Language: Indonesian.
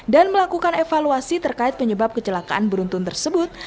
dan melakukan evaluasi terkait penyebab kecelakaan beruntun tersebut